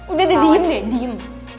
udah deh diem deh diem